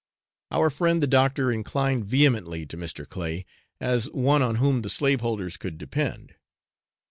Our friend the doctor inclined vehemently to Mr. Clay, as one on whom the slave holders could depend.